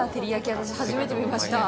私初めて見ました